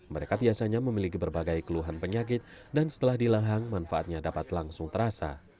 mereka biasanya memiliki berbagai keluhan penyakit dan setelah di lehang manfaatnya dapat langsung terasa